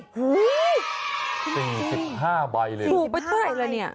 ฮู้วจริง๑๕ใบเลยถูกไปตัวไกลละเนี่ย